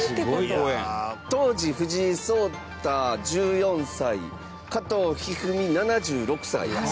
高橋：当時、藤井聡太、１４歳加藤一二三、７６歳。